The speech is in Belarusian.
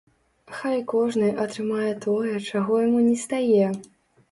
Хай кожны атрымае тое, чаго яму нестае.